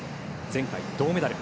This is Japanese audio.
前回、銅メダル。